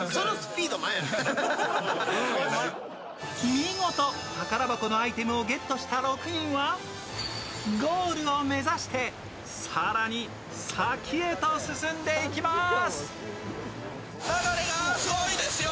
見事、宝箱のアイテムをゲットした６人はゴールを目指して更に先へと進んでいきます。